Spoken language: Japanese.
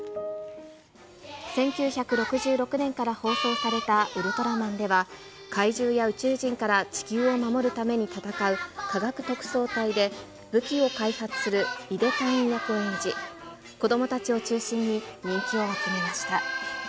１９６６年から放送されたウルトラマンでは、怪獣や宇宙人から地球を守るために戦う科学特捜隊で、武器を開発するイデ隊員役を演じ、子どもたちを中心に人気を集めました。